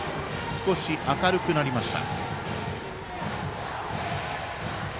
すこし明るくなりました。